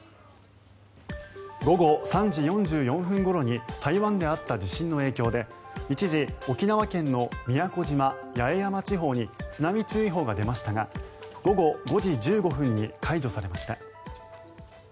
午後３時４４分ごろに台湾であった地震の影響で一時沖縄県の宮古島・八重山地方に津波注意報が出ましたが午後５時１５分に解除されました。